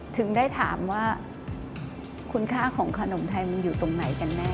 ถึงได้ถามว่าคุณค่าของขนมไทยมันอยู่ตรงไหนกันแน่